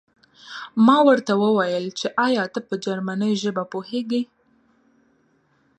ما ورته وویل چې ایا ته په جرمني ژبه پوهېږې